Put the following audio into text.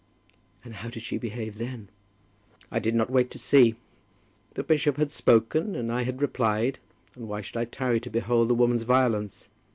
"And how did she behave then?" "I did not wait to see. The bishop had spoken, and I had replied; and why should I tarry to behold the woman's violence?